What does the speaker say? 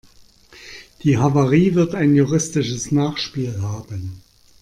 Die Havarie wird ein juristisches Nachspiel haben.